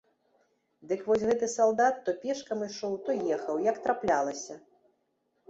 Дык вось гэты салдат то пешкам ішоў, то ехаў, як траплялася.